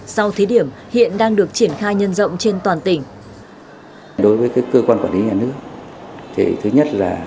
sau thí điểm hiện đang được triển khai nhân rộng trên toàn tỉnh